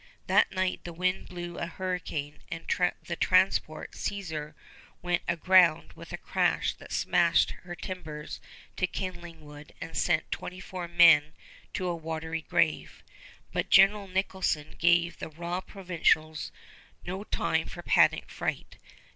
That night the wind blew a hurricane and the transport Caesar went aground with a crash that smashed her timbers to kindling wood and sent twenty four men to a watery grave; but General Nicholson gave the raw provincials no time for panic fright.